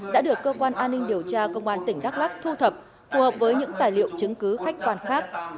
đã được cơ quan an ninh điều tra công an tỉnh đắk lắc thu thập phù hợp với những tài liệu chứng cứ khách quan khác